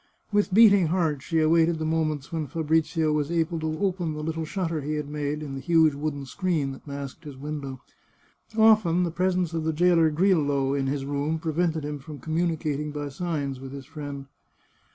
With beating heart she awaited the moments when Fabrizio was able to open the little shutter he had made in the huge wooden screen that masked his window. Often the presence of the jailer Grillo in his room prevented him from communicating by signs with his friend.